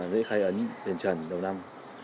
lễ khai ấn đền trần đầu năm